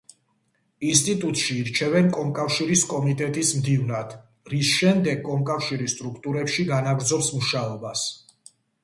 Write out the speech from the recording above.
ინსტიტუტში ირჩევენ კომკავშირის კომიტეტის მდივნად, რის შემდეგ კომკავშირის სტრუქტურებში განაგრძობს მუშაობას.